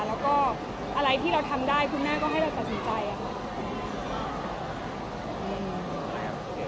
แล้วก็อะไรที่เราทำได้คุณแม่ก็ให้เราตัดสินใจค่ะ